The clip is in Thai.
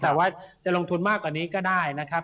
แต่ว่าจะลงทุนมากกว่านี้ก็ได้นะครับ